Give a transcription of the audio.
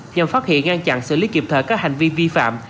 nhằm phát hiện ngăn chặn xử lý kiệp thở các hành vi vi phạm